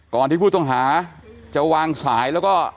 ก่อนที่ผู้ต้องหาจะวางสายแล้วก็